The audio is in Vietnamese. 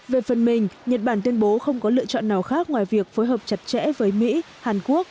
về phần mình nhật bản tuyên bố không có lựa chọn nào khác ngoài việc phối hợp chặt chẽ với mỹ hàn quốc